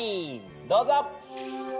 どうぞ！